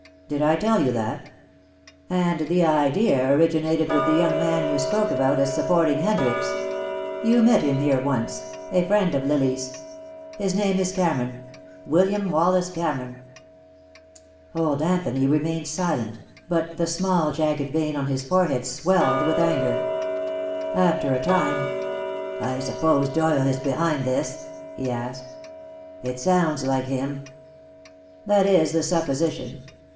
Did I tell you that? And the idea originated with the young man you spoke about as supporting Hendricks you met him here once, a friend of Lily's. His name is Cameron William Wallace Cameron." Old Anthony remained silent, but the small jagged vein on his forehead swelled with anger. After a time: "I suppose Doyle is behind this?" he asked. "It sounds like him." "That is the supposition.